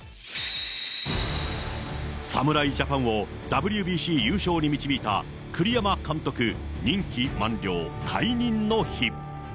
侍ジャパンをＷＢＣ優勝に導いた栗山監督任期満了、退任の日。